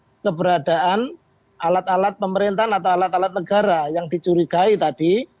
untuk keberadaan alat alat pemerintahan atau alat alat negara yang dicurigai tadi